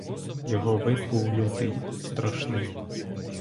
Його вид був лютий, страшний.